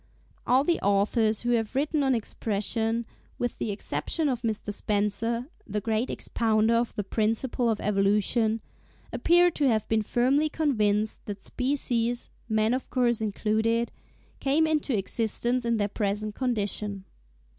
' All the authors who have written on Expression, with the exception of Mr. Spencer—the great expounder of the principle of Evolution—appear to have been firmly convinced that species, man of course included, came into existence in their present condition.